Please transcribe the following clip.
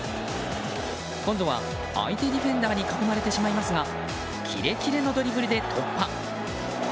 今度は相手ディフェンダーに囲まれてしまいますがキレキレのドリブルで突破！